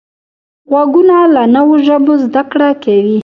غوږونه له نوو ژبو زده کړه کوي